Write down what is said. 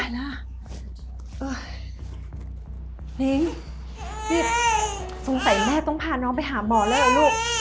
นิ้งนี่น่าจะต้องพาน้องไปหาบ่อแล้วล่ะลูก